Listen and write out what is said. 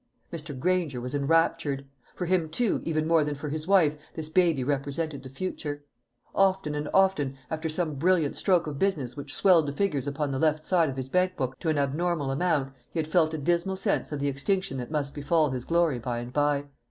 Mr. Granger was enraptured. For him, too, even more than for his wife, this baby represented the future. Often and often, after some brilliant stroke of business which swelled the figures upon the left side of his bank book to an abnormal amount, he had felt a dismal sense of the extinction that must befall his glory by and by.